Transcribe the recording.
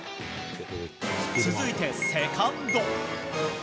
続いてセカンド。